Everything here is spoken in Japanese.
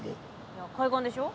いや海岸でしょ。